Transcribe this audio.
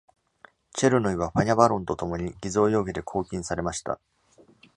チェルヌイは、ファニャ・バロンとともに偽造容疑で拘禁されました。